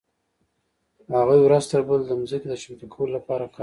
هغوی ورځ تر بلې د ځمکې د چمتو کولو لپاره کار کاوه.